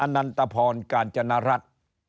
อนันตภรณ์การจนรัฐ